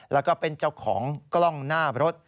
แล้วก็เป็นเจ้าของกล้องหน้ารถ